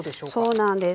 そうなんです。